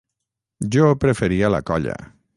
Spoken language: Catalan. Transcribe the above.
Jo preferia la colla.